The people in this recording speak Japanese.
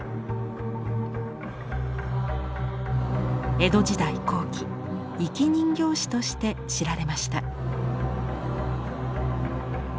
江戸時代後期生人形師として知られました。